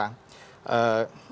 kemudian kembali lagi